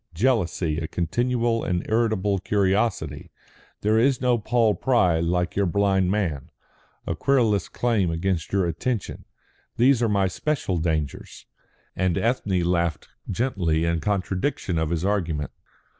Jealousy, a continual and irritable curiosity there is no Paul Pry like your blind man a querulous claim upon your attention these are my special dangers." And Ethne laughed gently in contradiction of his argument.